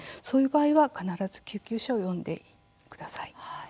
そういう場合は必ず救急車を呼んでください。